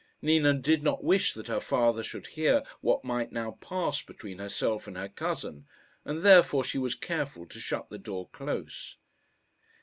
Nina did not wish that her father should hear what might now pass between herself and her cousin, and therefore she was careful to shut the door close.